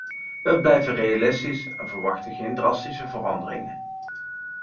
We blijven realistisch en verwachten geen drastische veranderingen.